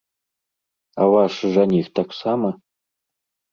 А ваш жаніх таксама?